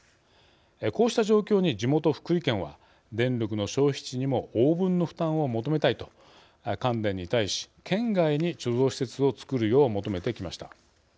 こうした状況に地元、福井県は電力の消費地にも応分の負担を求めたいと関電に対し県外に貯蔵施設を造るよう求めてきました。